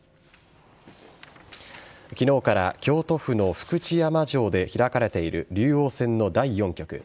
昨日から京都府の福知山城で開かれている竜王戦の第４局。